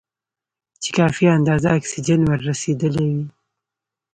چې کافي اندازه اکسیجن ور رسېدلی وي.